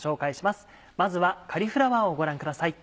まずはカリフラワーをご覧ください。